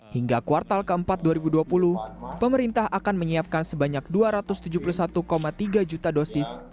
hingga kuartal keempat dua ribu dua puluh pemerintah akan menyiapkan sebanyak dua ratus tujuh puluh satu tiga juta dosis